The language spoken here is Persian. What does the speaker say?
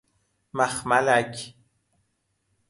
مخملک